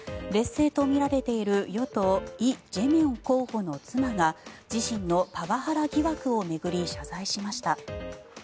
劣勢とみられる与党、イ・ジェミョン候補の妻が自身のパワハラ疑惑を巡り謝罪しました。